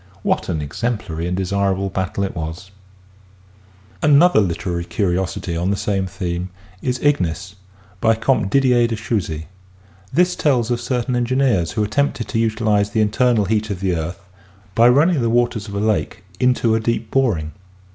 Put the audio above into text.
What an exemplary and desirable battle it was ! Another literary curiosity on the same theme is " Ignis " by Comte Didier de Chousy. This tells of certain engineers who attempted to utilize the internal heat of the earth by running the waters of a lake into 44 EASY LESSONS IN EINSTEIN a deep boring.